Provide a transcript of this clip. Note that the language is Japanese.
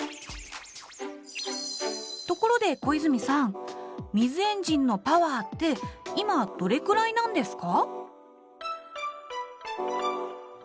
ところで小泉さん水エンジンのパワーって今どれくらいなんですか？